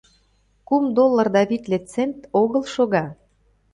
Кум доллар да витле цент огыл шога